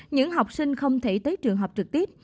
những học sinh không thể tới trường học trực tiếp